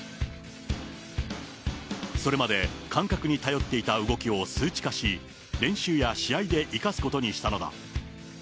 それまで感覚に頼っていた動きを数値化し、練習や試合で生かすことにしたのだ。